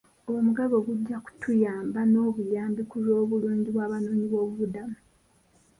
Omukago gujja kutuyamba n'obuyambi ku lw'obulungi bw'abanoonyiboobubudamu.